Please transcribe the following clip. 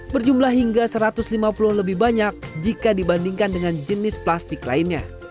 berjumlah hingga satu ratus lima puluh lebih banyak jika dibandingkan dengan jenis plastik lainnya